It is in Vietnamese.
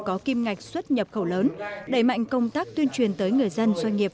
có kim ngạch xuất nhập khẩu lớn đẩy mạnh công tác tuyên truyền tới người dân doanh nghiệp